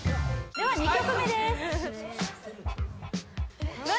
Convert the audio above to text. では２曲目です何？